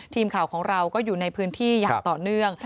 ทีมข่าวของเราก็อยู่ในพื้นที่อย่างต่อเนื่อง